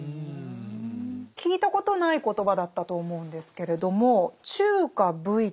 聞いたことない言葉だったと思うんですけれども「中夏無為」。